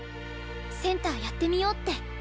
センターやってみようって。